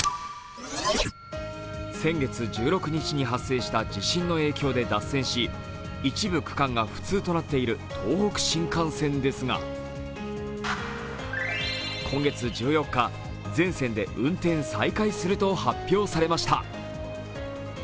先月１６日に発生した地震の影響で脱線し一部区間が不通となっている東北新幹線ですが今月１４日、全線で運転再開すると発表しました。